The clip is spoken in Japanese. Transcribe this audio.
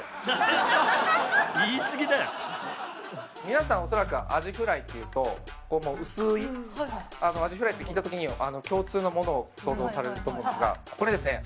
皆さん恐らくアジフライっていうとこう薄いアジフライって聞いた時に共通のものを想像されると思うんですがこれですね